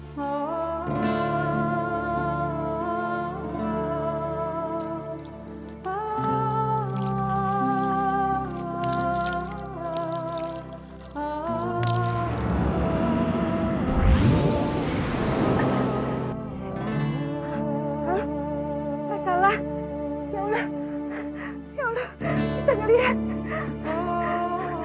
astagfirullahaladzim ya allah bisa tidak lihat